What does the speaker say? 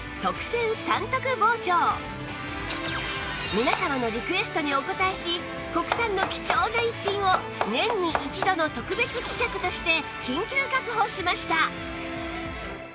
皆様のリクエストにお応えし国産の貴重な逸品を年に一度の特別企画として緊急確保しました！